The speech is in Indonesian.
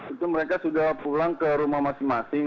itu mereka sudah pulang ke rumah masing masing